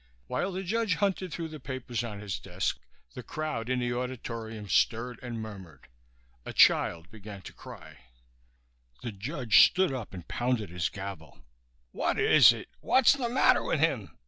While the judge hunted through the papers on his desk the crowd in the auditorium stirred and murmured. A child began to cry. The judge stood up and pounded his gavel. "What is it? What's the matter with him?